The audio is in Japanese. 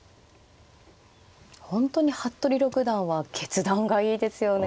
本当に服部六段は決断がいいですよね。